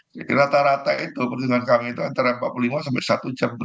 jadi rata rata itu pertunjukan kami itu antara empat puluh lima sampai satu jam